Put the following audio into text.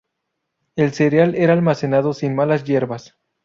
El cereal era almacenado sin malas hierbas.